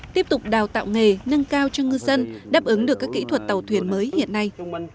tiếp tục đào tạo nghề nâng cao cho ngư dân đáp ứng được các kỹ thuật tàu thuyền mới hiện nay